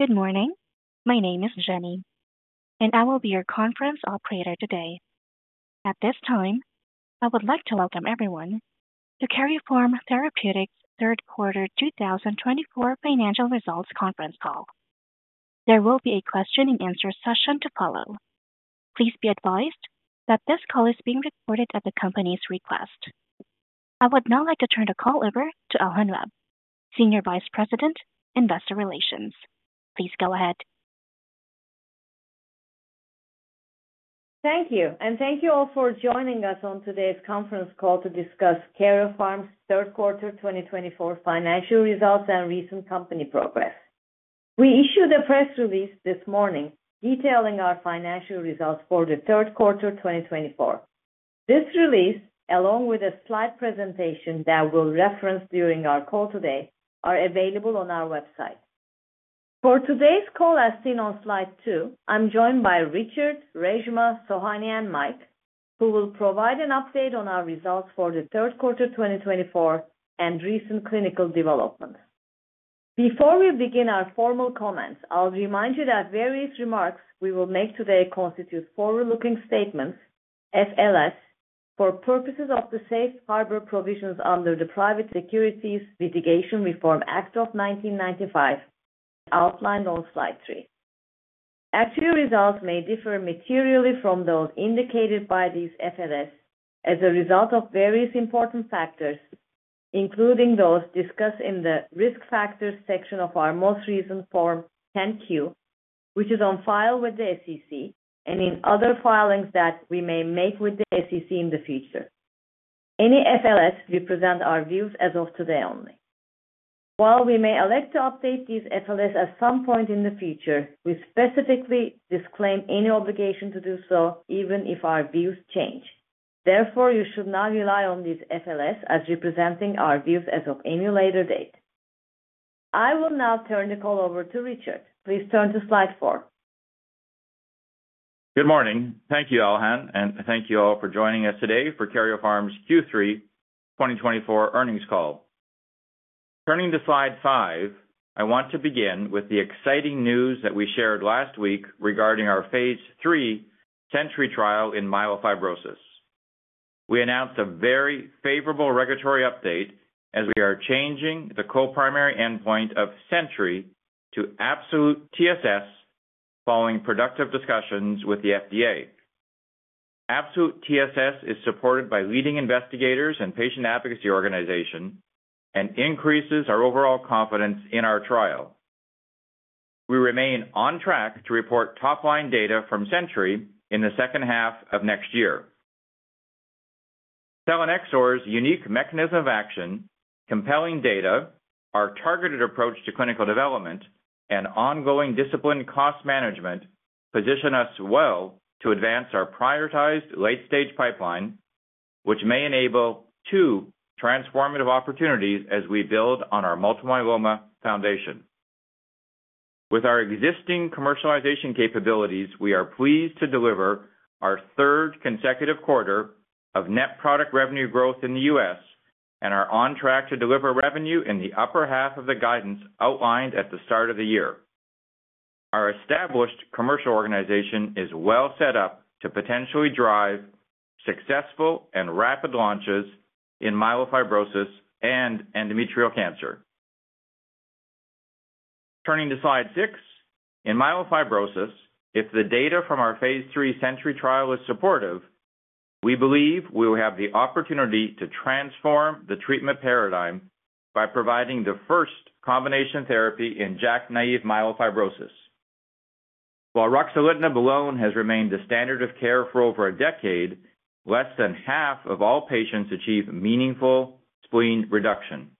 Good morning. My name is Jenny, and I will be your conference operator today. At this time, I would like to welcome everyone to Karyopharm Therapeutics' third quarter 2024 financial results conference call. There will be a question-and-answer session to follow. Please be advised that this call is being recorded at the company's request. I would now like to turn the call over to Elhan, Senior Vice President, Investor Relations. Please go ahead. Thank you, and thank you all for joining us on today's conference call to discuss Karyopharm's third quarter 2024 financial results and recent company progress. We issued a press release this morning detailing our financial results for the third quarter 2024. This release, along with a slide presentation that we'll reference during our call today, is available on our website. For today's call, as seen on slide two, I'm joined by Richard, Reshma, Sohanya, and Mike, who will provide an update on our results for the third quarter 2024 and recent clinical developments. Before we begin our formal comments, I'll remind you that various remarks we will make today constitute forward-looking statements, FLS, for purposes of the Safe Harbor Provisions under the Private Securities Litigation Reform Act of 1995, as outlined on slide three. Actual results may differ materially from those indicated by these FLS as a result of various important factors, including those discussed in the Risk Factors section of our most recent Form 10-Q, which is on file with the SEC and in other filings that we may make with the SEC in the future. Any FLS represent our views as of today only. While we may elect to update these FLS at some point in the future, we specifically disclaim any obligation to do so, even if our views change. Therefore, you should not rely on these FLS as representing our views as of any later date. I will now turn the call over to Richard. Please turn to slide four. Good morning. Thank you, Elhan, and thank you all for joining us today for Karyopharm's Q3 2024 earnings call. Turning to slide five, I want to begin with the exciting news that we shared last week regarding our phase III SENTRY trial in myelofibrosis. We announced a very favorable regulatory update as we are changing the co-primary endpoint of SENTRY to Absolute TSS following productive discussions with the FDA. Absolute TSS is supported by leading investigators and patient advocacy organizations and increases our overall confidence in our trial. We remain on track to report top-line data from SENTRY in the second half of next year. Selinexor's unique mechanism of action, compelling data, our targeted approach to clinical development, and ongoing disciplined cost management position us well to advance our prioritized late-stage pipeline, which may enable two transformative opportunities as we build on our multiple myeloma foundation. With our existing commercialization capabilities, we are pleased to deliver our third consecutive quarter of net product revenue growth in the U.S. and are on track to deliver revenue in the upper half of the guidance outlined at the start of the year. Our established commercial organization is well set up to potentially drive successful and rapid launches in myelofibrosis and endometrial cancer. Turning to slide six, in myelofibrosis, if the data from our phase III SENTRY trial is supportive, we believe we will have the opportunity to transform the treatment paradigm by providing the first combination therapy in JAK-naive myelofibrosis. While ruxolitinib alone has remained the standard of care for over a decade, less than half of all patients achieve meaningful spleen reduction.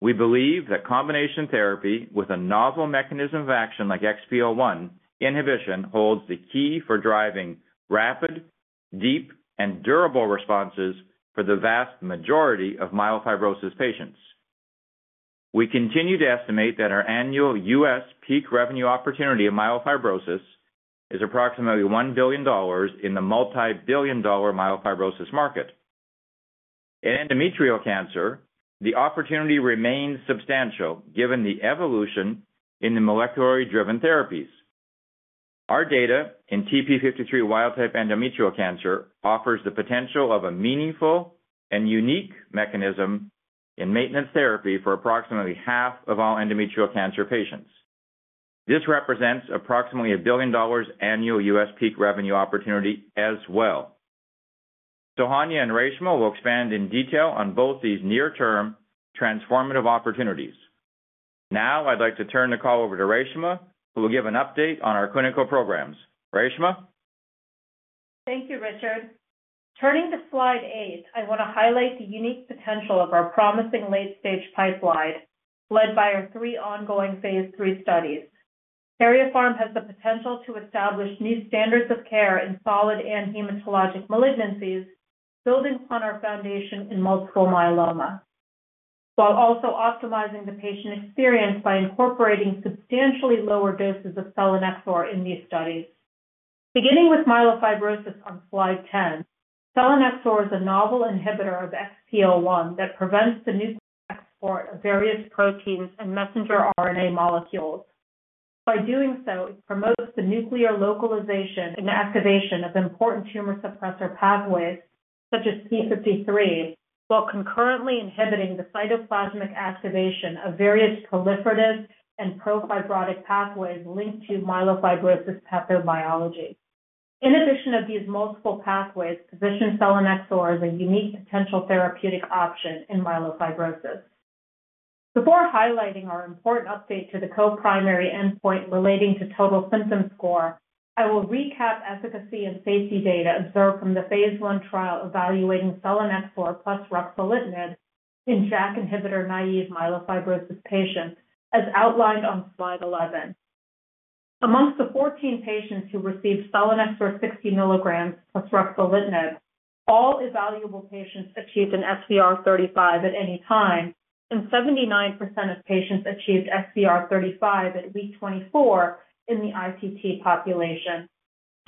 We believe that combination therapy with a novel mechanism of action like XPO1 inhibition holds the key for driving rapid, deep, and durable responses for the vast majority of myelofibrosis patients. We continue to estimate that our annual U.S. peak revenue opportunity in myelofibrosis is approximately $1 billion in the multi-billion-dollar myelofibrosis market. In endometrial cancer, the opportunity remains substantial given the evolution in the molecularly driven therapies. Our data in TP53 wild-type endometrial cancer offers the potential of a meaningful and unique mechanism in maintenance therapy for approximately half of all endometrial cancer patients. This represents approximately $1 billion annual U.S. peak revenue opportunity as well. Sohanya and Reshma will expand in detail on both these near-term transformative opportunities. Now, I'd like to turn the call over to Reshma, who will give an update on our clinical programs. Reshma? Thank you, Richard. Turning to slide eight, I want to highlight the unique potential of our promising late-stage pipeline led by our three ongoing phase III studies. Karyopharm has the potential to establish new standards of care in solid and hematologic malignancies, building upon our foundation in multiple myeloma, while also optimizing the patient experience by incorporating substantially lower doses of selinexor in these studies. Beginning with myelofibrosis on slide 10, selinexor is a novel inhibitor of XPO1 that prevents the nuclear export of various proteins and messenger RNA molecules. By doing so, it promotes the nuclear localization and activation of important tumor suppressor pathways such as p53, while concurrently inhibiting the cytoplasmic activation of various proliferative and pro-fibrotic pathways linked to myelofibrosis pathobiology. In addition to these multiple pathways, positioning selinexor as a unique potential therapeutic option in myelofibrosis. Before highlighting our important update to the co-primary endpoint relating to total symptom score, I will recap efficacy and safety data observed from the phase I trial evaluating selinexor plus ruxolitinib in JAK-inhibitor-naive myelofibrosis patients, as outlined on slide 11. Among the 14 patients who received Selinexor 60 mg plus ruxolitinib, all evaluable patients achieved an SVR35 at any time, and 79% of patients achieved SVR35 at week 24 in the ITT population.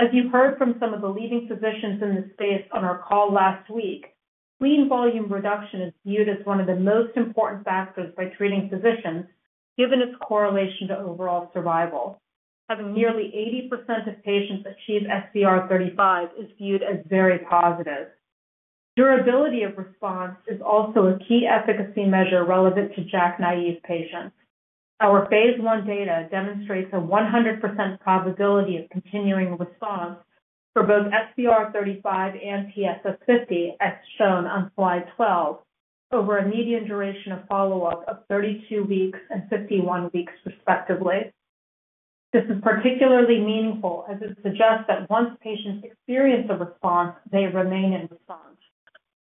As you heard from some of the leading physicians in this space on our call last week, spleen volume reduction is viewed as one of the most important factors by treating physicians, given its correlation to overall survival. Having nearly 80% of patients achieve SVR35 is viewed as very positive. Durability of response is also a key efficacy measure relevant to JAK-naive patients. Our phase I data demonstrates a 100% probability of continuing response for both SVR35 and TSS50, as shown on slide 12, over a median duration of follow-up of 32 weeks and 51 weeks, respectively. This is particularly meaningful as it suggests that once patients experience a response, they remain in response.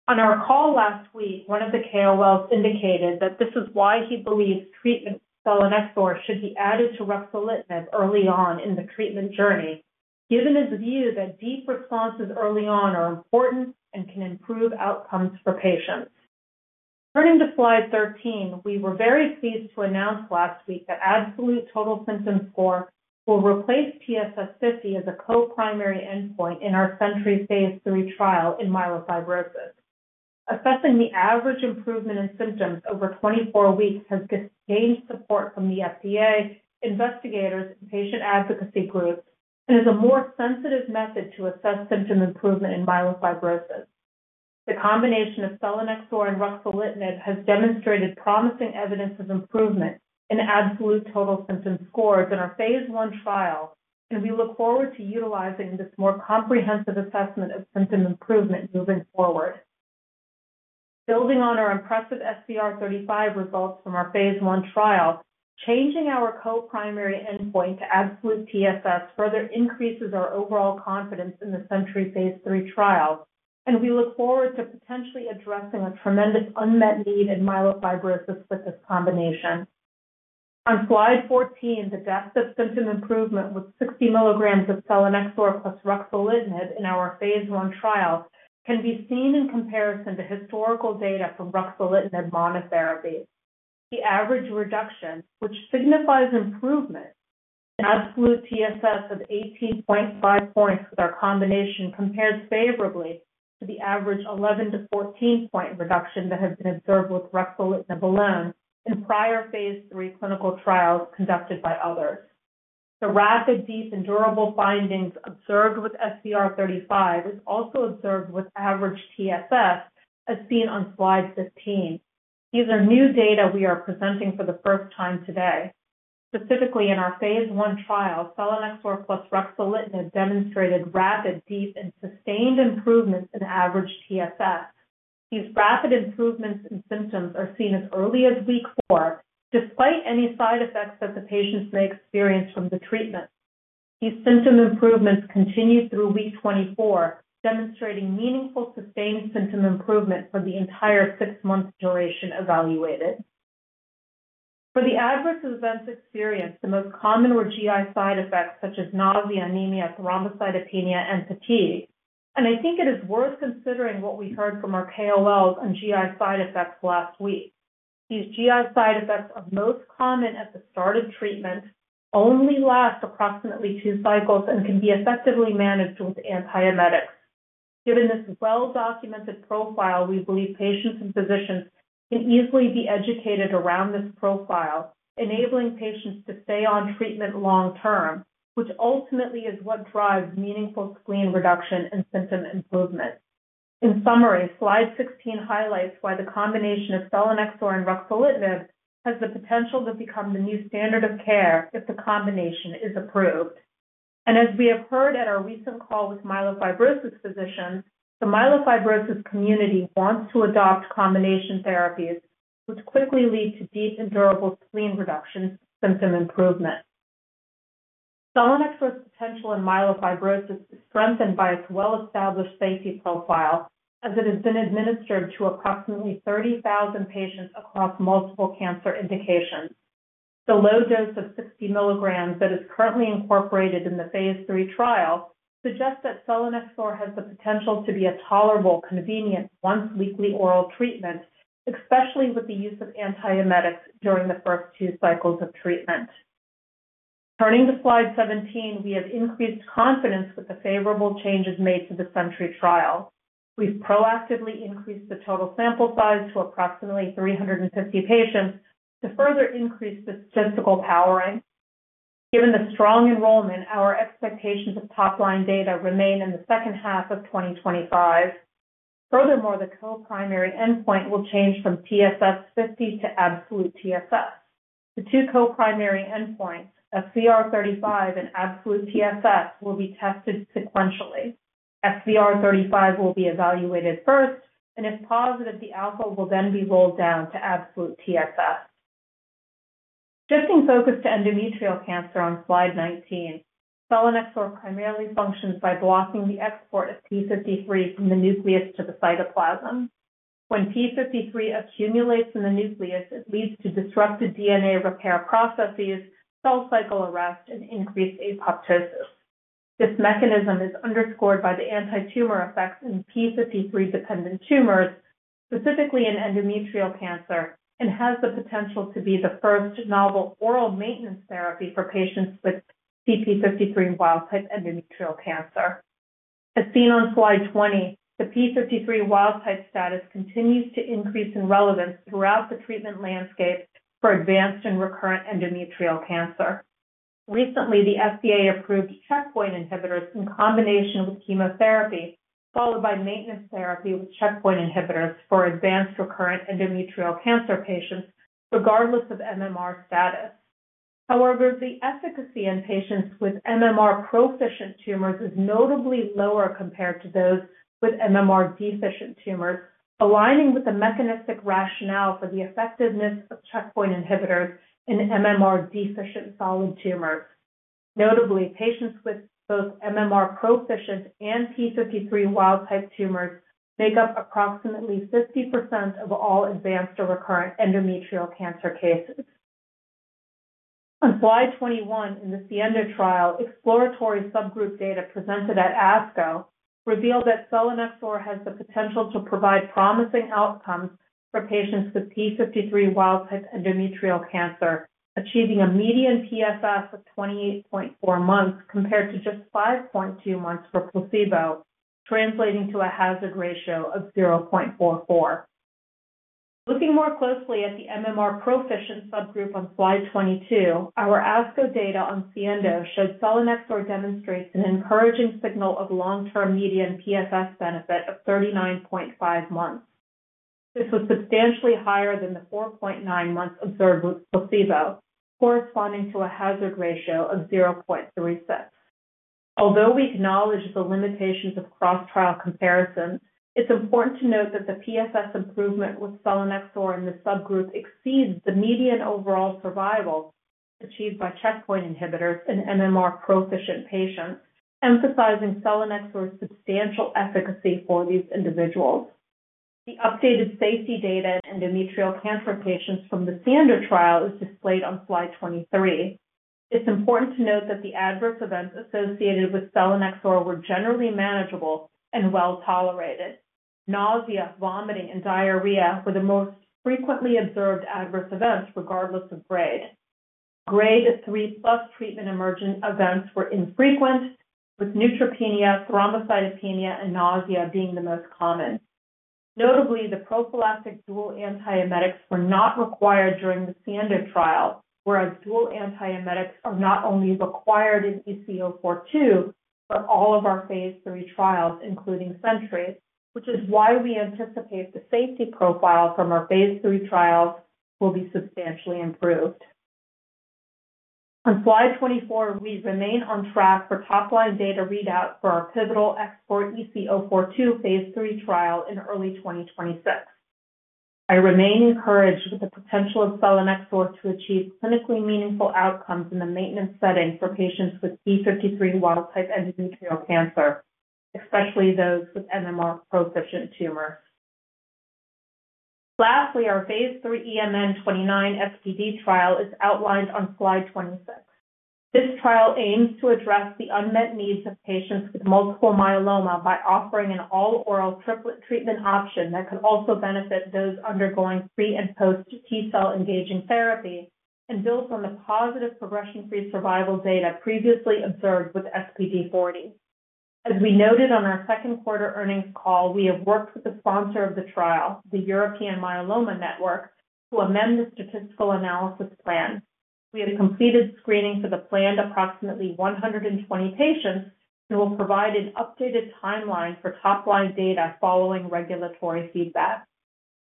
On our call last week, one of the KOLs indicated that this is why he believes treatment with selinexor should be added to ruxolitinib early on in the treatment journey, given his view that deep responses early on are important and can improve outcomes for patients. Turning to slide 13, we were very pleased to announce last week that Absolute Total Symptom Score will replace TSS50 as a co-primary endpoint in our SENTRY phase III trial in myelofibrosis. Assessing the average improvement in symptoms over 24 weeks has gained support from the FDA, investigators, and patient advocacy groups, and is a more sensitive method to assess symptom improvement in myelofibrosis. The combination of selinexor and ruxolitinib has demonstrated promising evidence of improvement in Absolute Total Symptom Score in our phase I trial, and we look forward to utilizing this more comprehensive assessment of symptom improvement moving forward. Building on our impressive SVR35 results from our phase I trial, changing our co-primary endpoint to Absolute TSS further increases our overall confidence in the SENTRY phase III trial, and we look forward to potentially addressing a tremendous unmet need in myelofibrosis with this combination. On slide 14, the depth of symptom improvement with 60 mg of selinexor plus ruxolitinib in our phase I trial can be seen in comparison to historical data from ruxolitinib monotherapy. The average reduction, which signifies improvement, in Absolute TSS of 18.5 points with our combination compares favorably to the average 11-14-point reduction that has been observed with ruxolitinib alone in prior phase III clinical trials conducted by others. The rapid, deep, and durable findings observed with SVR35 are also observed with Average TSS, as seen on slide 15. These are new data we are presenting for the first time today. Specifically, in our phase I trial, selinexor plus ruxolitinib demonstrated rapid, deep, and sustained improvements in Average TSS. These rapid improvements in symptoms are seen as early as week four, despite any side effects that the patients may experience from the treatment. These symptom improvements continued through week 24, demonstrating meaningful sustained symptom improvement for the entire six-month duration evaluated. For the adverse events experienced, the most common were GI side effects such as nausea, anemia, thrombocytopenia, and fatigue, and I think it is worth considering what we heard from our KOLs on GI side effects last week. These GI side effects are most common at the start of treatment, only last approximately two cycles, and can be effectively managed with antiemetics. Given this well-documented profile, we believe patients and physicians can easily be educated around this profile, enabling patients to stay on treatment long-term, which ultimately is what drives meaningful spleen reduction and symptom improvement. In summary, slide 16 highlights why the combination of selinexor and ruxolitinib has the potential to become the new standard of care if the combination is approved. And as we have heard at our recent call with myelofibrosis physicians, the myelofibrosis community wants to adopt combination therapies, which quickly lead to deep and durable spleen reduction symptom improvement. Selinexor's potential in myelofibrosis is strengthened by its well-established safety profile as it has been administered to approximately 30,000 patients across multiple cancer indications. The low dose of 60 mg that is currently incorporated in the phase III trial suggests that selinexor has the potential to be a tolerable, convenient once-weekly oral treatment, especially with the use of antiemetics during the first two cycles of treatment. Turning to slide 17, we have increased confidence with the favorable changes made to the SENTRY trial. We've proactively increased the total sample size to approximately 350 patients to further increase the statistical powering. Given the strong enrollment, our expectations of top-line data remain in the second half of 2025. Furthermore, the co-primary endpoint will change from TSS50 to Absolute TSS. The two co-primary endpoints, SVR35 and Absolute TSS, will be tested sequentially. SVR35 will be evaluated first, and if positive, the alpha will then be rolled down to Absolute TSS. Shifting focus to endometrial cancer on slide 19, selinexor primarily functions by blocking the export of TP53 from the nucleus to the cytoplasm. When TP53 accumulates in the nucleus, it leads to disrupted DNA repair processes, cell cycle arrest, and increased apoptosis. This mechanism is underscored by the anti-tumor effects in TP53-dependent tumors, specifically in endometrial cancer, and has the potential to be the first novel oral maintenance therapy for patients with TP53 wild-type endometrial cancer. As seen on slide 20, the TP53 wild-type status continues to increase in relevance throughout the treatment landscape for advanced and recurrent endometrial cancer. Recently, the FDA approved checkpoint inhibitors in combination with chemotherapy, followed by maintenance therapy with checkpoint inhibitors for advanced recurrent endometrial cancer patients, regardless of MMR status. However, the efficacy in patients with MMR-proficient tumors is notably lower compared to those with MMR-deficient tumors, aligning with the mechanistic rationale for the effectiveness of checkpoint inhibitors in MMR-deficient solid tumors. Notably, patients with both MMR-proficient and TP53 wild-type tumors make up approximately 50% of all advanced or recurrent endometrial cancer cases. On slide 21, in the SIENDO trial, exploratory subgroup data presented at ASCO revealed that selinexor has the potential to provide promising outcomes for patients with TP53 wild-type endometrial cancer, achieving a median PFS of 28.4 months compared to just 5.2 months for placebo, translating to a hazard ratio of 0.44. Looking more closely at the pMMR-proficient subgroup on slide 22, our ASCO data on SIENDO showed selinexor demonstrates an encouraging signal of long-term median TSS benefit of 39.5 months. This was substantially higher than the 4.9 months observed with placebo, corresponding to a hazard ratio of 0.36. Although we acknowledge the limitations of cross-trial comparisons, it's important to note that the TSS improvement with selinexor in this subgroup exceeds the median overall survival achieved by checkpoint inhibitors in pMMR-proficient patients, emphasizing selinexor's substantial efficacy for these individuals. The updated safety data in endometrial cancer patients from the SIENDO trial is displayed on slide 23. It's important to note that the adverse events associated with selinexor were generally manageable and well tolerated. Nausea, vomiting, and diarrhea were the most frequently observed adverse events, regardless of grade. Grade 3 plus treatment emergent events were infrequent, with neutropenia, thrombocytopenia, and nausea being the most common. Notably, the prophylactic dual antiemetics were not required during the SIENDO trial, whereas dual antiemetics are not only required in XPORT-EC-042, but all of our phase III trials, including SENTRY, which is why we anticipate the safety profile from our phase III trials will be substantially improved. On slide 24, we remain on track for top-line data readout for our pivotal XPORT-EC-042 phase III trial in early 2026. I remain encouraged with the potential of selinexor to achieve clinically meaningful outcomes in the maintenance setting for patients with TP53 wild-type endometrial cancer, especially those with MMR-proficient tumors. Lastly, our phase III EMN29 study trial is outlined on slide 26. This trial aims to address the unmet needs of patients with multiple myeloma by offering an all-oral triplet treatment option that could also benefit those undergoing pre- and post-T-cell engaging therapy and builds on the positive progression-free survival data previously observed with SPD-40. As we noted on our second quarter earnings call, we have worked with the sponsor of the trial, the European Myeloma Network, to amend the statistical analysis plan. We have completed screening for the planned approximately 120 patients and will provide an updated timeline for top-line data following regulatory feedback.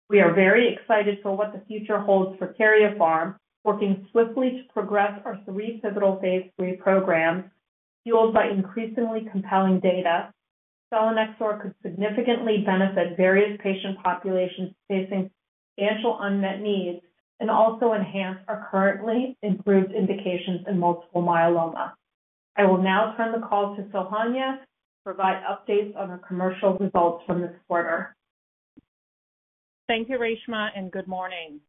We are very excited for what the future holds for Karyopharm, working swiftly to progress our three pivotal phase III programs, fueled by increasingly compelling data. Selinexor could significantly benefit various patient populations facing substantial unmet needs and also enhance our currently improved indications in multiple myeloma. I will now turn the call to Sohanya to provide updates on our commercial results from this quarter. Thank you, Reshma, and good morning.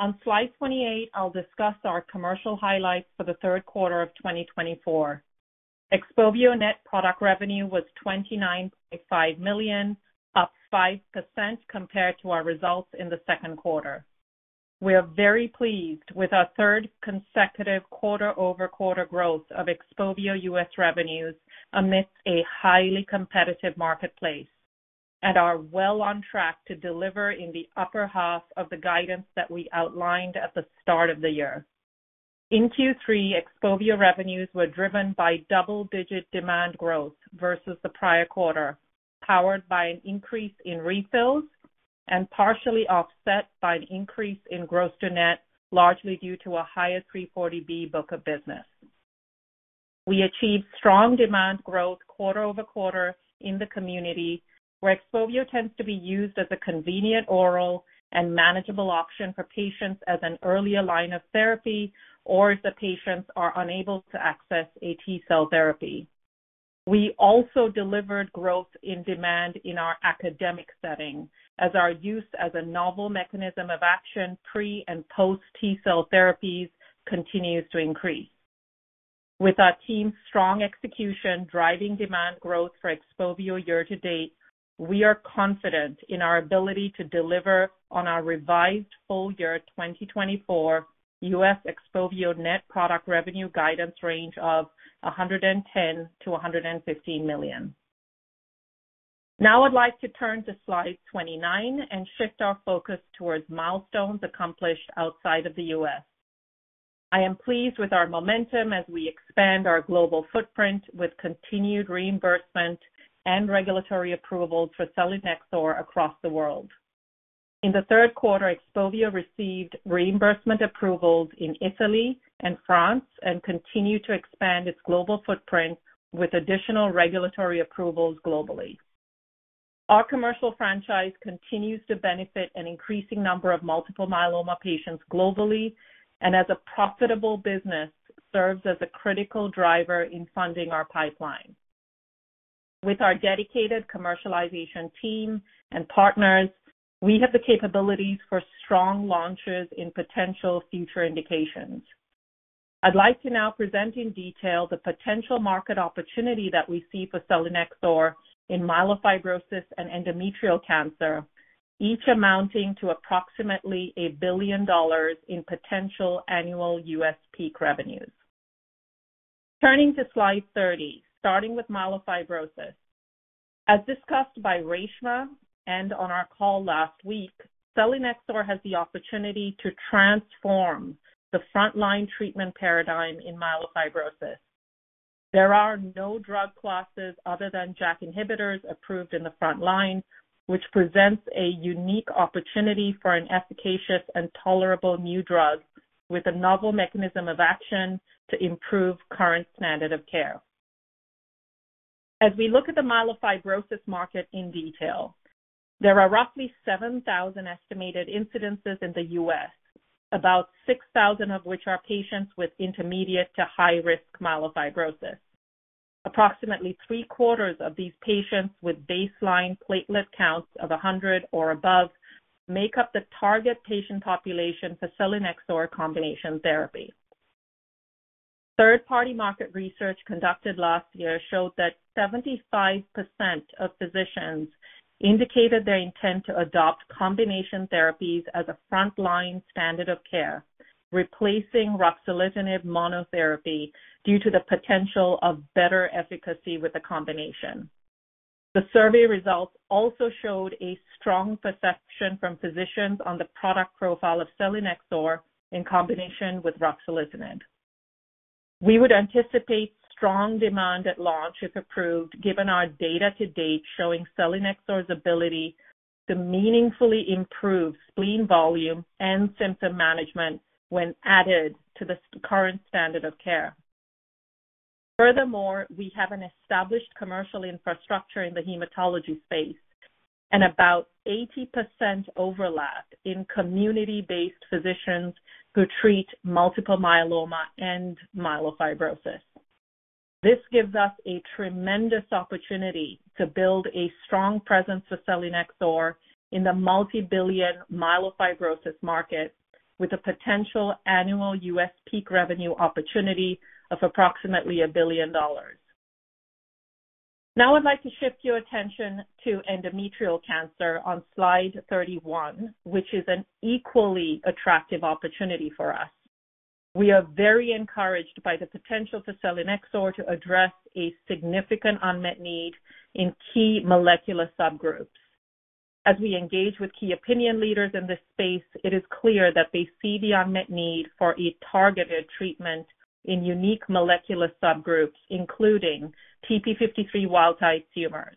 On slide 28, I'll discuss our commercial highlights for the third quarter of 2024. XPOVIO net product revenue was $29.5 million, up 5% compared to our results in the second quarter. We are very pleased with our third consecutive quarter-over-quarter growth of XPOVIO U.S. revenues amidst a highly competitive marketplace, and are well on track to deliver in the upper half of the guidance that we outlined at the start of the year. In Q3, XPOVIO revenues were driven by double-digit demand growth versus the prior quarter, powered by an increase in refills and partially offset by an increase in gross-to-net, largely due to a higher 340B book of business. We achieved strong demand growth quarter-over-quarter in the community, where XPOVIO tends to be used as a convenient oral and manageable option for patients as an earlier line of therapy or if the patients are unable to access a T-cell therapy. We also delivered growth in demand in our academic setting, as our use as a novel mechanism of action pre- and post-T-cell therapies continues to increase. With our team's strong execution driving demand growth for XPOVIO year to date, we are confident in our ability to deliver on our revised full-year 2024 U.S. XPOVIO net product revenue guidance range of $110 million-$115 million. Now I'd like to turn to slide 29 and shift our focus towards milestones accomplished outside of the U.S. I am pleased with our momentum as we expand our global footprint with continued reimbursement and regulatory approvals for selinexor across the world. In the third quarter, XPOVIO received reimbursement approvals in Italy and France and continued to expand its global footprint with additional regulatory approvals globally. Our commercial franchise continues to benefit an increasing number of multiple myeloma patients globally and, as a profitable business, serves as a critical driver in funding our pipeline. With our dedicated commercialization team and partners, we have the capabilities for strong launches in potential future indications. I'd like to now present in detail the potential market opportunity that we see for Selinexor in myelofibrosis and endometrial cancer, each amounting to approximately $1 billion in potential annual U.S. peak revenues. Turning to slide 30, starting with myelofibrosis. As discussed by Reshma and on our call last week, Selinexor has the opportunity to transform the front-line treatment paradigm in myelofibrosis. There are no drug classes other than JAK inhibitors approved in the front line, which presents a unique opportunity for an efficacious and tolerable new drug with a novel mechanism of action to improve current standard of care. As we look at the myelofibrosis market in detail, there are roughly 7,000 estimated incidences in the U.S., about 6,000 of which are patients with intermediate to high-risk myelofibrosis. Approximately three-quarters of these patients with baseline platelet counts of 100 or above make up the target patient population for Selinexor combination therapy. Third-party market research conducted last year showed that 75% of physicians indicated their intent to adopt combination therapies as a front-line standard of care, replacing ruxolitinib monotherapy due to the potential of better efficacy with the combination. The survey results also showed a strong perception from physicians on the product profile of selinexor in combination with ruxolitinib. We would anticipate strong demand at launch if approved, given our data to date showing selinexor's ability to meaningfully improve spleen volume and symptom management when added to the current standard of care. Furthermore, we have an established commercial infrastructure in the hematology space and about 80% overlap in community-based physicians who treat multiple myeloma and myelofibrosis. This gives us a tremendous opportunity to build a strong presence for selinexor in the multibillion myelofibrosis market, with a potential annual U.S. peak revenue opportunity of approximately $1 billion. Now I'd like to shift your attention to endometrial cancer on slide 31, which is an equally attractive opportunity for us. We are very encouraged by the potential for selinexor to address a significant unmet need in key molecular subgroups. As we engage with key opinion leaders in this space, it is clear that they see the unmet need for a targeted treatment in unique molecular subgroups, including TP53 wild-type tumors.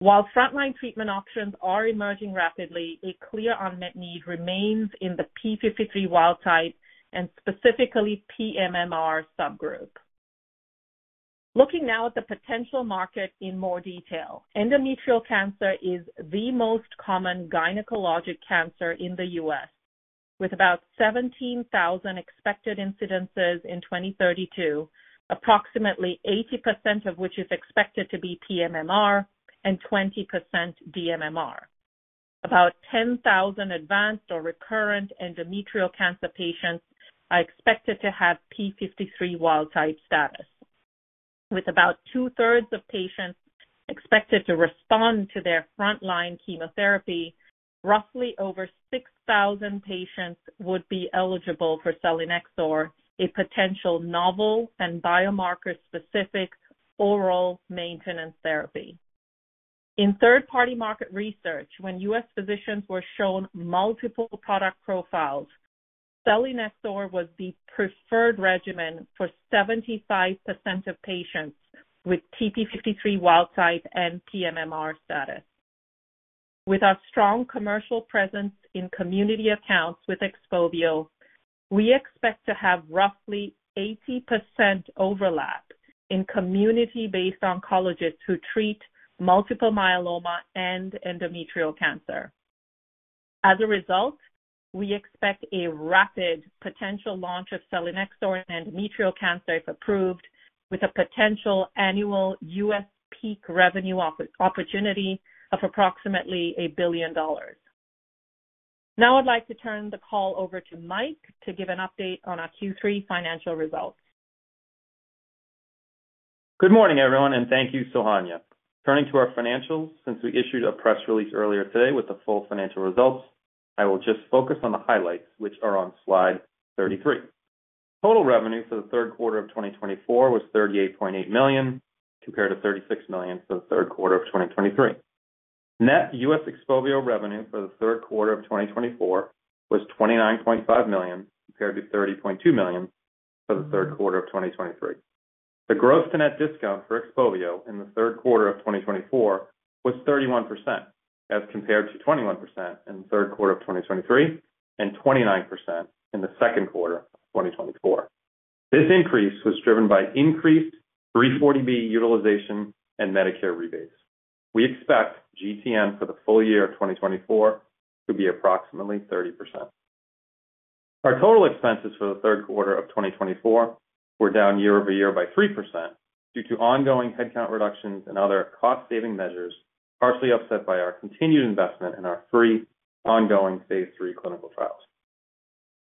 While front-line treatment options are emerging rapidly, a clear unmet need remains in the TP53 wild-type and specifically pMMR subgroup. Looking now at the potential market in more detail, endometrial cancer is the most common gynecologic cancer in the U.S., with about 17,000 expected incidences in 2032, approximately 80% of which is expected to be pMMR and 20% dMMR. About 10,000 advanced or recurrent endometrial cancer patients are expected to have TP53 wild-type status. With about two-thirds of patients expected to respond to their front-line chemotherapy, roughly over 6,000 patients would be eligible for selinexor, a potential novel and biomarker-specific oral maintenance therapy. In third-party market research, when U.S. Physicians were shown multiple product profiles. Selinexor was the preferred regimen for 75% of patients with TP53 wild-type and pMMR status. With our strong commercial presence in community accounts with XPOVIO, we expect to have roughly 80% overlap in community-based oncologists who treat multiple myeloma and endometrial cancer. As a result, we expect a rapid potential launch of selinexor in endometrial cancer if approved, with a potential annual U.S. peak revenue opportunity of approximately $1 billion. Now I'd like to turn the call over to Mike to give an update on our Q3 financial results. Good morning, everyone, and thank you, Sohanya. Turning to our financials, since we issued a press release earlier today with the full financial results, I will just focus on the highlights, which are on slide 33. Total revenue for the third quarter of 2024 was $38.8 million, compared to $36 million for the third quarter of 2023. Net U.S. XPOVIO revenue for the third quarter of 2024 was $29.5 million, compared to $30.2 million for the third quarter of 2023. The gross-to-net discount for XPOVIO in the third quarter of 2024 was 31%, as compared to 21% in the third quarter of 2023 and 29% in the second quarter of 2024. This increase was driven by increased 340B utilization and Medicare rebates. We expect GTN for the full year of 2024 to be approximately 30%. Our total expenses for the third quarter of 2024 were down year-over-year by 3% due to ongoing headcount reductions and other cost-saving measures, partially offset by our continued investment in our three ongoing phase III clinical trials.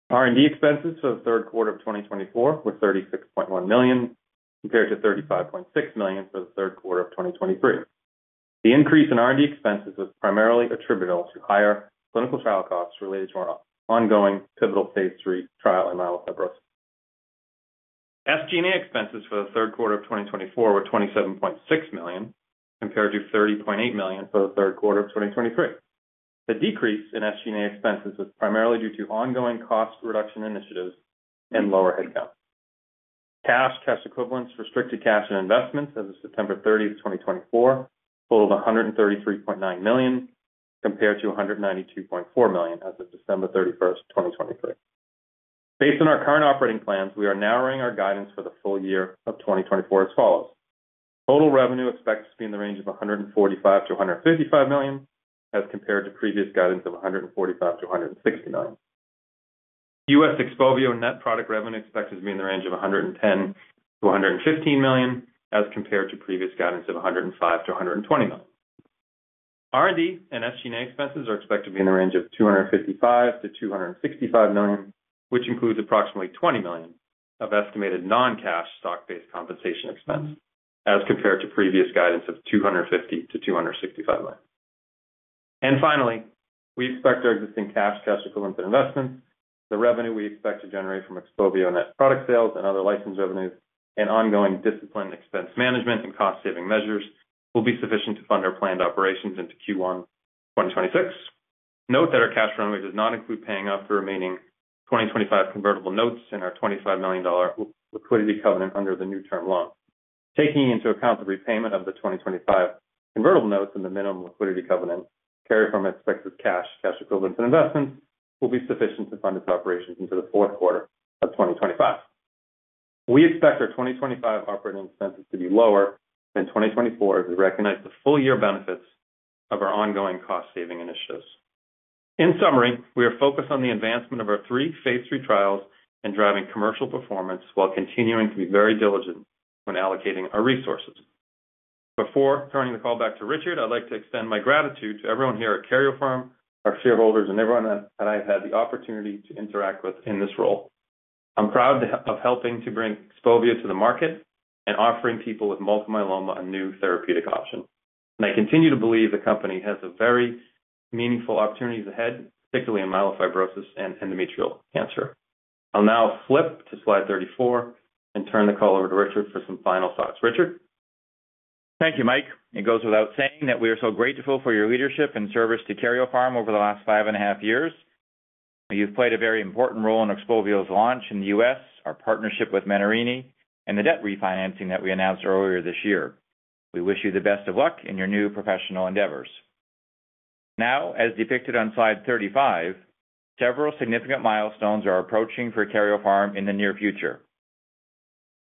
R&D expenses for the third quarter of 2024 were $36.1 million, compared to $35.6 million for the third quarter of 2023. The increase in R&D expenses was primarily attributable to higher clinical trial costs related to our ongoing pivotal phase III trial in myelofibrosis. SG&A expenses for the third quarter of 2024 were $27.6 million, compared to $30.8 million for the third quarter of 2023. The decrease in SG&A expenses was primarily due to ongoing cost reduction initiatives and lower headcount. Cash, cash equivalents, restricted cash and investments as of September 30, 2024, totaled $133.9 million, compared to $192.4 million as of December 31st, 2023. Based on our current operating plans, we are narrowing our guidance for the full year of 2024 as follows. Total revenue expected to be in the range of $145 million-$155 million, as compared to previous guidance of $145 million-$160 million. U.S. XPOVIO net product revenue expected to be in the range of $110 million-$115 million, as compared to previous guidance of $105 million-$120 million. R&D and SG&A expenses are expected to be in the range of $255 million-$265 million, which includes approximately $20 million of estimated non-cash stock-based compensation expense, as compared to previous guidance of $250 million-$265 million. And finally, we expect our existing cash, cash equivalents and investments. The revenue we expect to generate from XPOVIO net product sales and other license revenues and ongoing disciplined expense management and cost-saving measures will be sufficient to fund our planned operations into Q1 2026. Note that our cash runway does not include paying off the remaining 2025 convertible notes in our $25 million liquidity covenant under the new term loan. Taking into account the repayment of the 2025 convertible notes and the minimum liquidity covenant carry from expected cash and cash equivalents and investments, will be sufficient to fund its operations into the fourth quarter of 2025. We expect our 2025 operating expenses to be lower than 2024 as we recognize the full-year benefits of our ongoing cost-saving initiatives. In summary, we are focused on the advancement of our three phase III trials and driving commercial performance while continuing to be very diligent when allocating our resources. Before turning the call back to Richard, I'd like to extend my gratitude to everyone here at Karyopharm, our shareholders, and everyone that I've had the opportunity to interact with in this role. I'm proud of helping to bring XPOVIO to the market and offering people with multiple myeloma a new therapeutic option. I continue to believe the company has very meaningful opportunities ahead, particularly in myelofibrosis and endometrial cancer. I'll now flip to slide 34 and turn the call over to Richard for some final thoughts. Richard. Thank you, Mike. It goes without saying that we are so grateful for your leadership and service to Karyopharm over the last five and a half years. You've played a very important role in XPOVIO's launch in the U.S., our partnership with Menarini, and the debt refinancing that we announced earlier this year. We wish you the best of luck in your new professional endeavors. Now, as depicted on slide 35, several significant milestones are approaching for Karyopharm in the near future.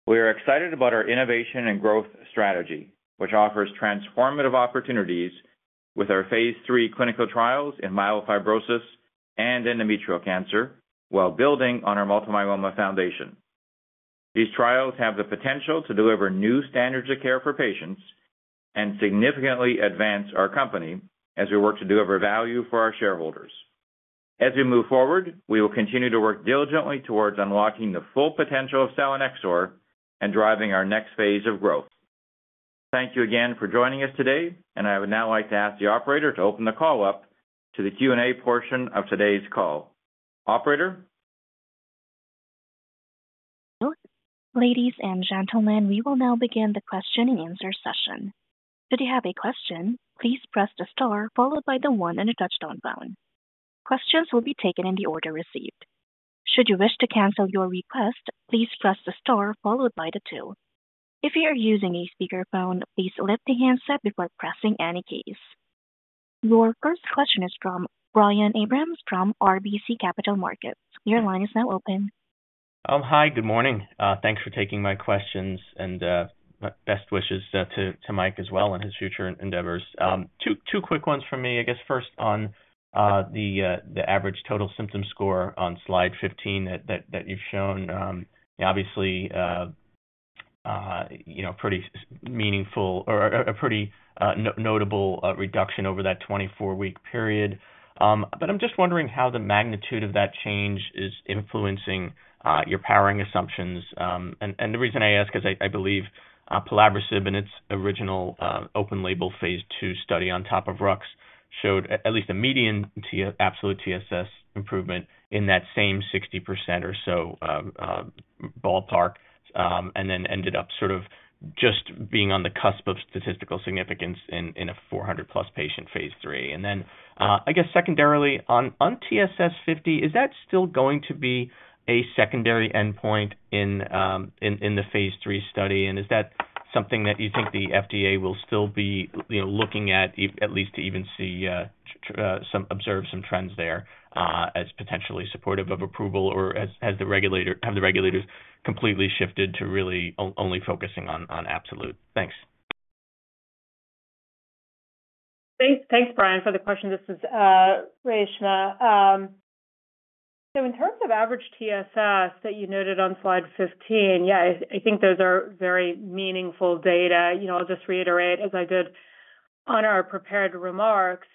We are excited about our innovation and growth strategy, which offers transformative opportunities with our phase III clinical trials in myelofibrosis and endometrial cancer while building on our multiple myeloma foundation. These trials have the potential to deliver new standards of care for patients and significantly advance our company as we work to deliver value for our shareholders. As we move forward, we will continue to work diligently towards unlocking the full potential of selinexor and driving our next phase of growth. Thank you again for joining us today, and I would now like to ask the operator to open the call up to the Q&A portion of today's call. Operator. Ladies and gentlemen, we will now begin the question and answer session. Should you have a question, please press the star followed by the one on a touchtone phone. Questions will be taken in the order received. Should you wish to cancel your request, please press the star followed by the two. If you are using a speakerphone, please lift the handset before pressing any keys. Your first question is from Brian Abrahams from RBC Capital Markets. Your line is now open. Hi, good morning. Thanks for taking my questions and best wishes to Mike as well and his future endeavors. Two quick ones for me, I guess. First, on the average total symptom score on slide 15 that you've shown, obviously, a pretty meaningful or a pretty notable reduction over that 24-week period. But I'm just wondering how the magnitude of that change is influencing your powering assumptions. The reason I ask is because I believe pelabresib and its original open-label phase II study on top of RUX showed at least a median absolute TSS improvement in that same 60% or so ballpark and then ended up sort of just being on the cusp of statistical significance in a 400-plus patient phase III. Then, I guess, secondarily, on TSS 50, is that still going to be a secondary endpoint in the phase III study? And is that something that you think the FDA will still be looking at, at least to even observe some trends there as potentially supportive of approval, or have the regulators completely shifted to really only focusing on absolute? Thanks. Thanks, Brian, for the question. This is Reshma. In terms of average TSS that you noted on slide 15, yeah, I think those are very meaningful data. I'll just reiterate, as I did on our prepared remarks,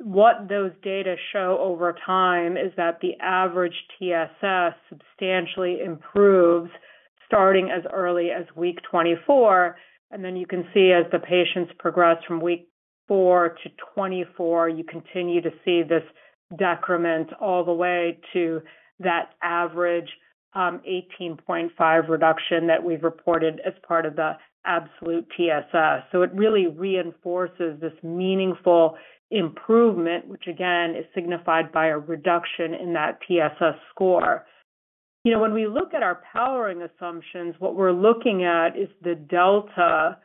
what those data show over time is that the average TSS substantially improves starting as early as week 24. And then you can see as the patients progress from week 4 to week 24, you continue to see this decrement all the way to that average 18.5 reduction that we've reported as part of the absolute TSS. So it really reinforces this meaningful improvement, which, again, is signified by a reduction in that TSS score. When we look at our powering assumptions, what we're looking at is the delta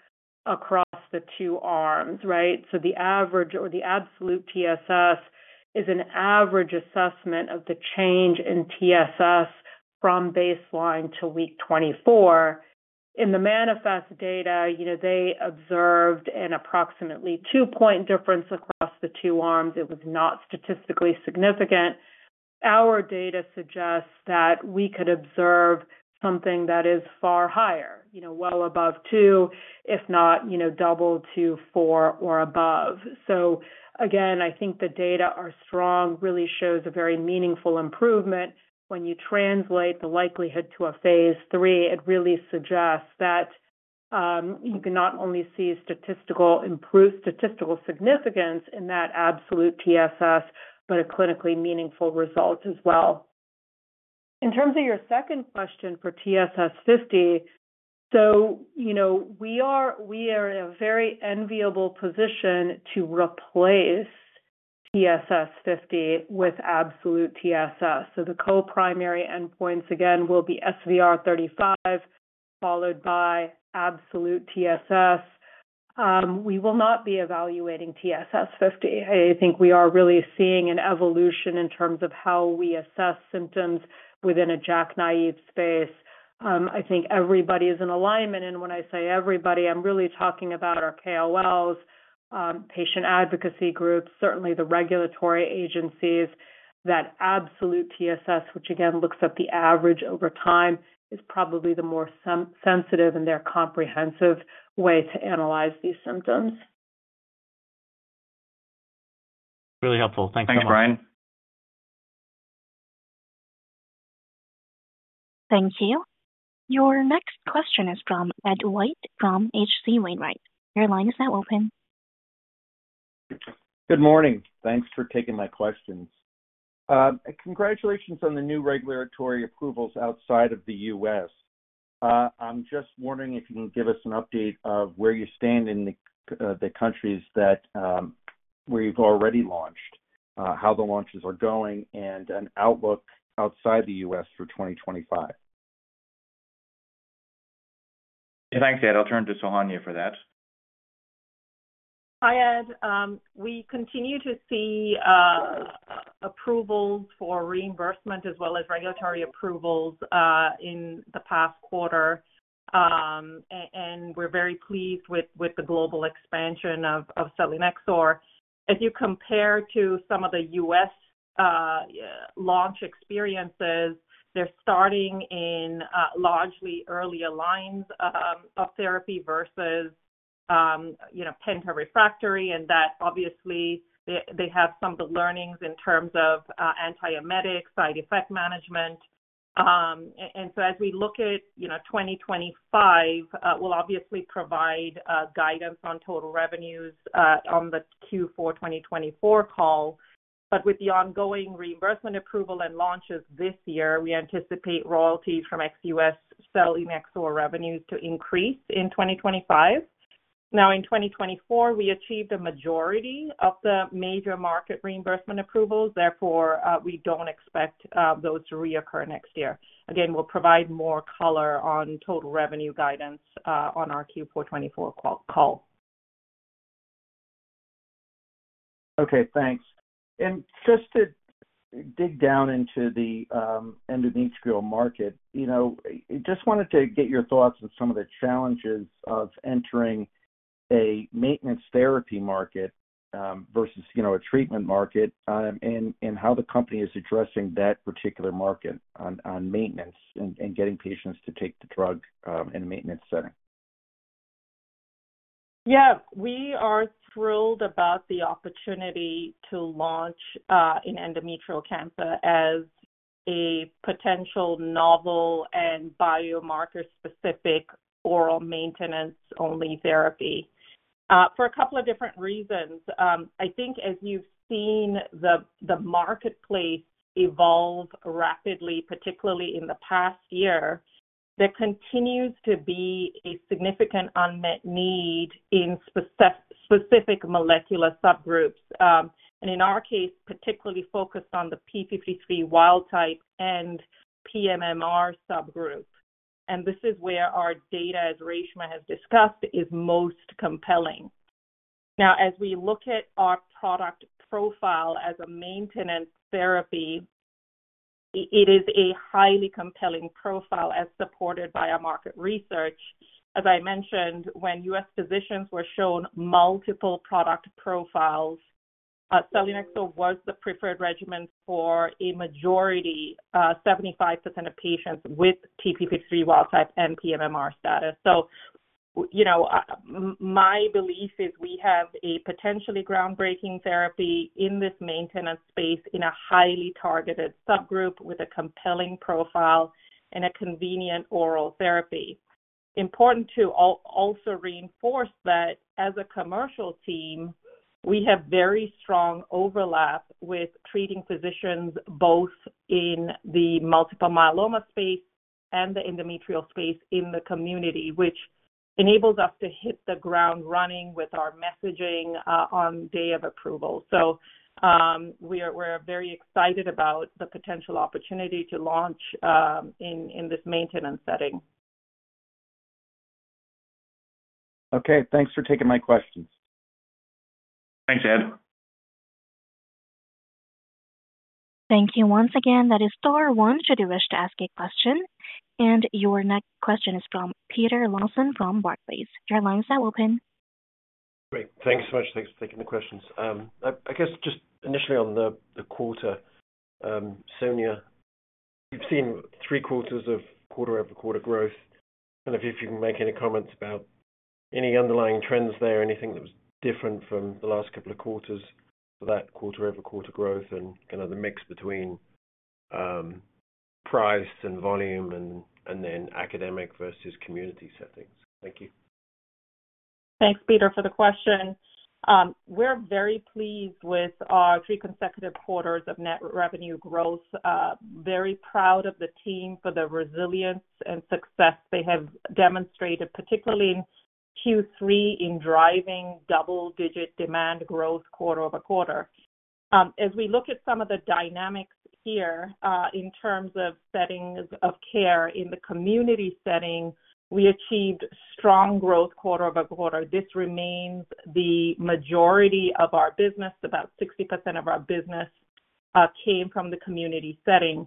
across the two arms, right? So the average or the absolute TSS is an average assessment of the change in TSS from baseline to week 24. In the MANIFEST data, they observed an approximately two-point difference across the two arms. It was not statistically significant. Our data suggests that we could observe something that is far higher, well above two, if not double to four or above. So again, I think the data are strong, really shows a very meaningful improvement. When you translate the likelihood to a phase III, it really suggests that you can not only see statistical significance in that absolute TSS, but a clinically meaningful result as well. In terms of your second question for TSS 50, so we are in a very enviable position to replace TSS 50 with Absolute TSS. So the co-primary endpoints, again, will be SVR 35 followed by Absolute TSS. We will not be evaluating TSS 50. I think we are really seeing an evolution in terms of how we assess symptoms within a JAK-naive space. I think everybody is in alignment. And when I say everybody, I'm really talking about our KOLs, patient advocacy groups, certainly the regulatory agencies. That absolute TSS, which again looks at the average over time, is probably the more sensitive and the comprehensive way to analyze these symptoms. Really helpful. Thanks so much. Thanks, Brian. Thank you. Your next question is from Ed White from H.C. Wainwright. Your line is now open. Good morning. Thanks for taking my questions. Congratulations on the new regulatory approvals outside of the U.S. I'm just wondering if you can give us an update of where you stand in the countries where you've already launched, how the launches are going, and an outlook outside the U.S. for 2025. Thanks, Ed. I'll turn to Sohanya for that. Hi, Ed. We continue to see approvals for reimbursement as well as regulatory approvals in the past quarter. And we're very pleased with the global expansion of selinexor. As you compare to some of the U.S. launch experiences, they're starting in largely earlier lines of therapy versus penta-refractory, and that, obviously, they have some of the learnings in terms of antiemetics, side effect management, and so as we look at 2025, we'll obviously provide guidance on total revenues on the Q4 2024 call. But with the ongoing reimbursement approval and launches this year, we anticipate royalties from ex-US selinexor revenues to increase in 2025. Now, in 2024, we achieved a majority of the major market reimbursement approvals. Therefore, we don't expect those to reoccur next year. Again, we'll provide more color on total revenue guidance on our Q4 2024 call. Okay. Thanks. And just to dig down into the endometrial market, I just wanted to get your thoughts on some of the challenges of entering a maintenance therapy market versus a treatment market and how the company is addressing that particular market on maintenance and getting patients to take the drug in a maintenance setting. Yeah. We are thrilled about the opportunity to launch an endometrial cancer as a potential novel and biomarker-specific oral maintenance-only therapy for a couple of different reasons. I think as you've seen the marketplace evolve rapidly, particularly in the past year, there continues to be a significant unmet need in specific molecular subgroups. And in our case, particularly focused on the P53 wild type and pMMR subgroup. And this is where our data, as Reshma has discussed, is most compelling. Now, as we look at our product profile as a maintenance therapy, it is a highly compelling profile as supported by our market research. As I mentioned, when U.S. physicians were shown multiple product profiles, selinexor was the preferred regimen for a majority, 75% of patients with TP53 wild-type and pMMR status. So my belief is we have a potentially groundbreaking therapy in this maintenance space in a highly targeted subgroup with a compelling profile and a convenient oral therapy. Important to also reinforce that as a commercial team, we have very strong overlap with treating physicians both in the multiple myeloma space and the endometrial space in the community, which enables us to hit the ground running with our messaging on day of approval. So we're very excited about the potential opportunity to launch in this maintenance setting. Okay. Thanks for taking my questions. Thanks, Ed. Thank you once again. That is star one should you wish to ask a question. And your next question is from Peter Lawson from Barclays. Your line is now open. Great. Thanks so much for taking the questions. I guess just initially on the quarter, Sohanya, you've seen three quarters of quarter-over-quarter growth. I don't know if you can make any comments about any underlying trends there, anything that was different from the last couple of quarters for that quarter-over-quarter growth and the mix between price and volume and then academic versus community settings. Thank you. Thanks, Peter, for the question. We're very pleased with our three consecutive quarters of net revenue growth. Very proud of the team for the resilience and success they have demonstrated, particularly in Q3 in driving double-digit demand growth quarter-over-quarter. As we look at some of the dynamics here in terms of settings of care in the community setting, we achieved strong growth quarter-over-quarter. This remains the majority of our business. About 60% of our business came from the community setting.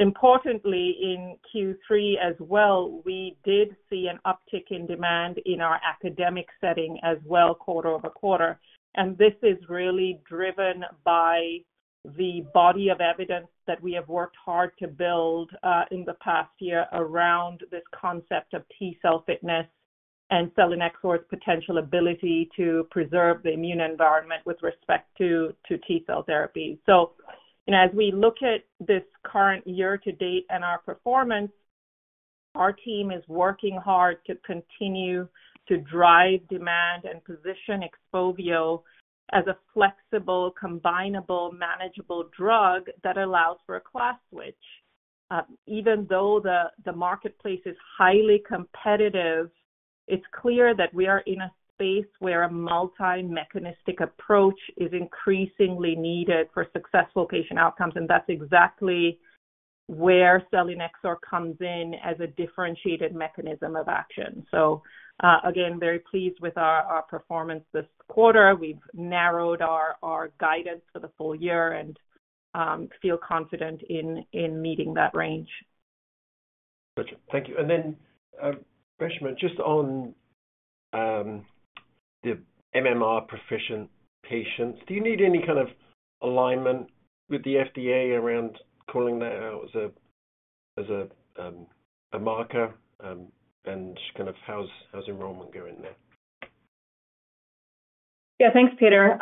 Importantly, in Q3 as well, we did see an uptick in demand in our academic setting as well quarter-over-quarter, and this is really driven by the body of evidence that we have worked hard to build in the past year around this concept of T-cell fitness and selinexor's potential ability to preserve the immune environment with respect to T-cell therapy, so as we look at this current year to date and our performance, our team is working hard to continue to drive demand and position XPOVIO as a flexible, combinable, manageable drug that allows for a class switch. Even though the marketplace is highly competitive, it's clear that we are in a space where a multi-mechanistic approach is increasingly needed for successful patient outcomes. And that's exactly where selinexor comes in as a differentiated mechanism of action. So again, very pleased with our performance this quarter. We've narrowed our guidance for the full year and feel confident in meeting that range. Gotcha. Thank you. And then, Reshma, just on the MMR proficient patients, do you need any kind of alignment with the FDA around calling that as a marker? And kind of how's enrollment going there? Yeah. Thanks, Peter.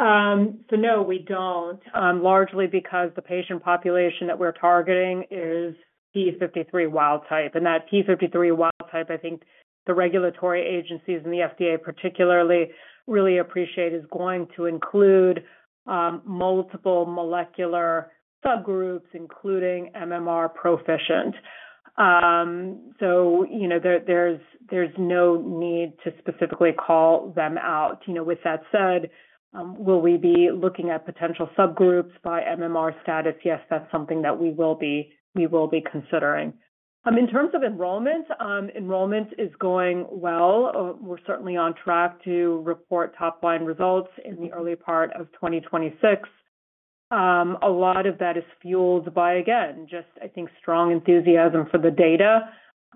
So no, we don't. Largely because the patient population that we're targeting is TP53 wild-type. And that TP53 wild-type, I think the regulatory agencies and the FDA particularly really appreciate is going to include multiple molecular subgroups, including MMR proficient. There's no need to specifically call them out. With that said, will we be looking at potential subgroups by MMR status? Yes, that's something that we will be considering. In terms of enrollment, enrollment is going well. We're certainly on track to report top-line results in the early part of 2026. A lot of that is fueled by, again, just, I think, strong enthusiasm for the data.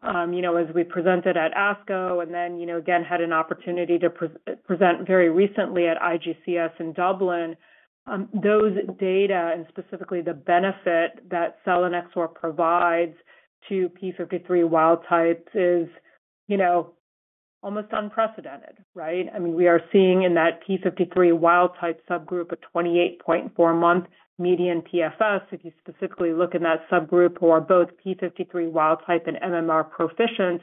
As we presented at ASCO and then, again, had an opportunity to present very recently at IGCS in Dublin, those data and specifically the benefit that selinexor provides to TP53 wild-type is almost unprecedented, right? I mean, we are seeing in that TP53 wild-type subgroup a 28.4-month median PFS. If you specifically look in that subgroup who are both TP53 wild-type and MMR proficient,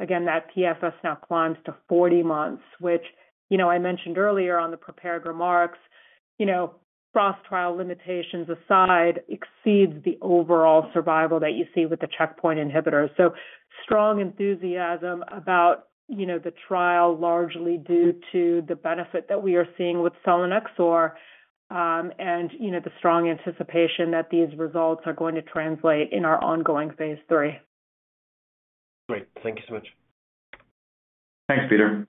again, that PFS now climbs to 40 months, which I mentioned earlier on the prepared remarks. Cross-trial limitations aside, [it] exceeds the overall survival that you see with the checkpoint inhibitors. So strong enthusiasm about the trial largely due to the benefit that we are seeing with selinexor and the strong anticipation that these results are going to translate in our ongoing phase III. Great. Thank you so much. Thanks, Peter.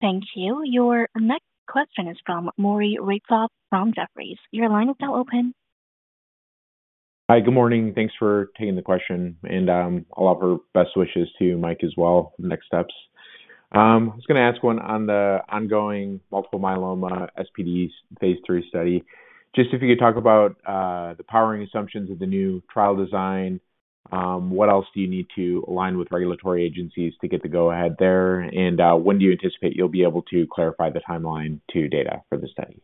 Thank you. Your next question is from Maury Raycroft from Jefferies. Your line is now open. Hi. Good morning. Thanks for taking the question. And I'll offer best wishes to Mike as well for the next steps. I was going to ask one on the ongoing multiple myeloma SPD phase III study. Just if you could talk about the powering assumptions of the new trial design, what else do you need to align with regulatory agencies to get the go-ahead there? And when do you anticipate you'll be able to clarify the timeline to data for the study?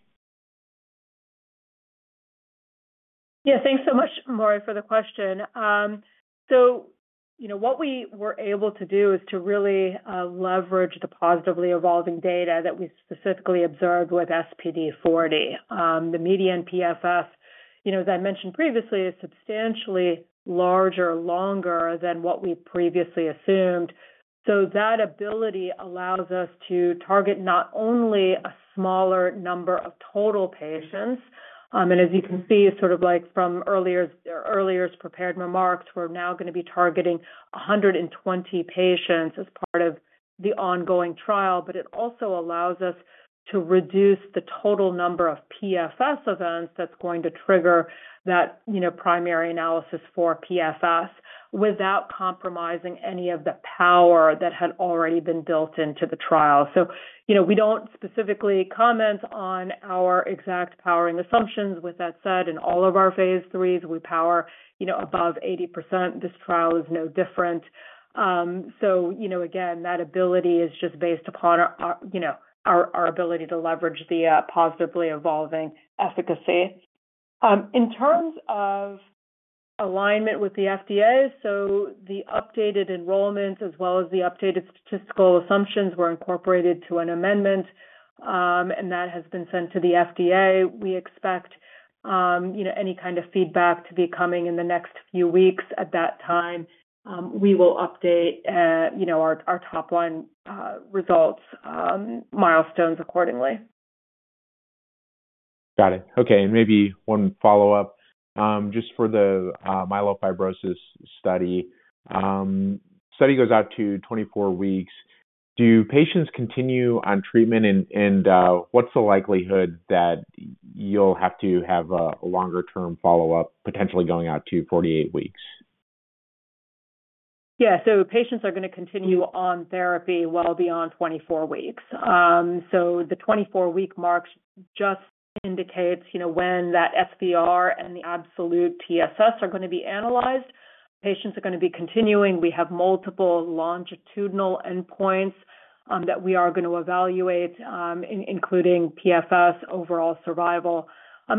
Yeah. Thanks so much, Maury, for the question. What we were able to do is to really leverage the positively evolving data that we specifically observed with SPD-40. The median PFS, as I mentioned previously, is substantially larger, longer than what we previously assumed. That ability allows us to target not only a smaller number of total patients. And as you can see, sort of like from earlier's prepared remarks, we're now going to be targeting 120 patients as part of the ongoing trial. But it also allows us to reduce the total number of PFS events that's going to trigger that primary analysis for PFS without compromising any of the power that had already been built into the trial. So we don't specifically comment on our exact powering assumptions. With that said, in all of our phase IIIs, we power above 80%. This trial is no different. So again, that ability is just based upon our ability to leverage the positively evolving efficacy. In terms of alignment with the FDA, so the updated enrollments as well as the updated statistical assumptions were incorporated to an amendment, and that has been sent to the FDA. We expect any kind of feedback to be coming in the next few weeks. At that time, we will update our top-line results milestones accordingly. Got it. Okay. And maybe one follow-up just for the myelofibrosis study. The study goes out to 24 weeks. Do patients continue on treatment? And what's the likelihood that you'll have to have a longer-term follow-up potentially going out to 48 weeks? Yeah. So patients are going to continue on therapy well beyond 24 weeks. So the 24-week mark just indicates when that SVR and the absolute TSS are going to be analyzed. Patients are going to be continuing. We have multiple longitudinal endpoints that we are going to evaluate, including PFS, overall survival.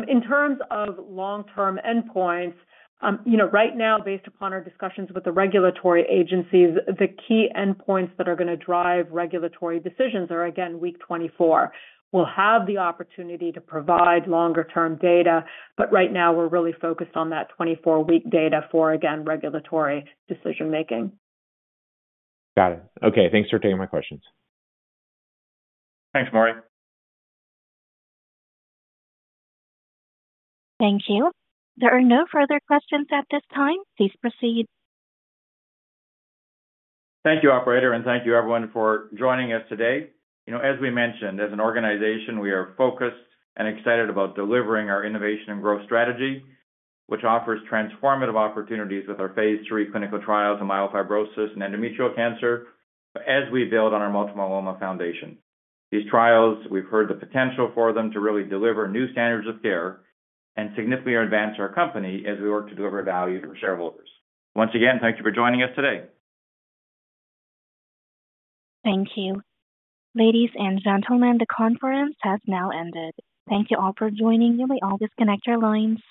In terms of long-term endpoints, right now, based upon our discussions with the regulatory agencies, the key endpoints that are going to drive regulatory decisions are, again, week 24. We'll have the opportunity to provide longer-term data, but right now, we're really focused on that 24-week data for, again, regulatory decision-making. Got it. Okay. Thanks for taking my questions. Thanks, Maury. Thank you. There are no further questions at this time. Please proceed. Thank you, operator, and thank you, everyone, for joining us today. As we mentioned, as an organization, we are focused and excited about delivering our innovation and growth strategy, which offers transformative opportunities with our phase III clinical trials in myelofibrosis and endometrial cancer as we build on our multiple myeloma foundation. These trials, we've heard the potential for them to really deliver new standards of care and significantly advance our company as we work to deliver value for shareholders. Once again, thank you for joining us today. Thank you. Ladies and gentlemen, the conference has now ended. Thank you all for joining. You may always connect your lines.